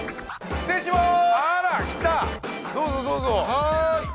失礼します！